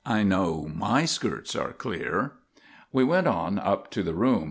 I know my skirts are clear." We went on up to the room.